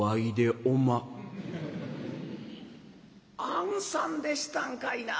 「あんさんでしたんかいな。